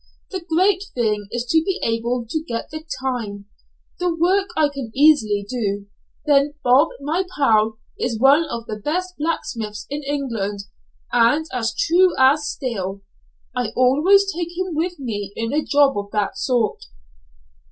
The great thing is to be able to get the time, the work I can easily do; then Bob, my pal, is one of the best blacksmiths in England, and as true as steel. I always take him with me in a job of that sort."